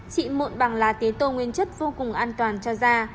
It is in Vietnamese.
chị mụn bằng lá tế tô nguyên chất vô cùng an toàn cho da